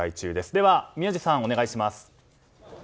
では宮司さん、お願いします。